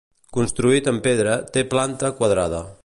Construït en pedra, té planta quadrada.